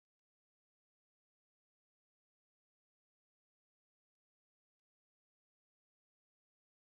Ĝi estis dum multaj jaroj unu el la plej stabilaj landoj de la kontinento.